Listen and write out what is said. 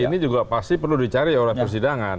ini juga pasti perlu dicari oleh persidangan